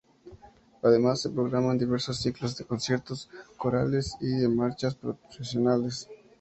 Además, se programan diversos ciclos de conciertos corales y de marchas procesionales.